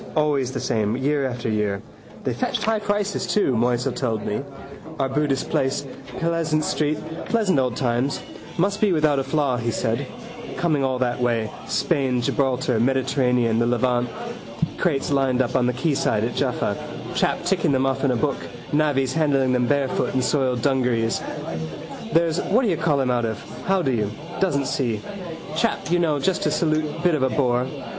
Always the same, year after year. They fetched high prices too, Moisel told me. Arbutus place: Pleasants street: pleasant old times. Must be without a flaw, he said. Coming all that way: Spain, Gibraltar, Mediterranean, the Levant. Crates lined up on the quayside at Jaffa, chap ticking them off in a book, navvies handling them barefoot in soiled dungarees. There's whatdoyoucallhim out of. How do you? Doesn't see. Chap you know just to salute bit of a bore.